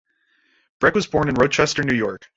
Breck was born in Rochester, New York.